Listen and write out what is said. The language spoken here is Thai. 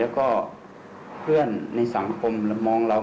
เป็นจุดรับส่งของผู้โดยสาร